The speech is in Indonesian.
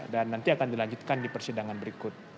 dan nanti akan dilanjutkan di persidangan berikut